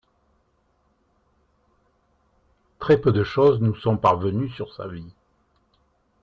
Très peu de choses nous sont parvenues sur sa vie.